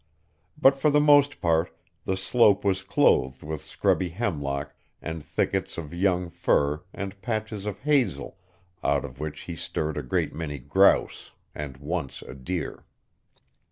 But for the most part the slope was clothed with scrubby hemlock and thickets of young fir and patches of hazel, out of which he stirred a great many grouse and once a deer.